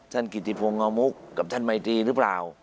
ท่านกิริโบงอมุกกับท่านมิดรีหรือเปล่า